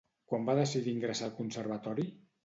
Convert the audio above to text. Quan va decidir ingressar al Conservatori?